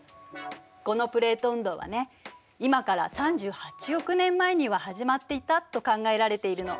このプレート運動はね今から３８億年前には始まっていたと考えられているの。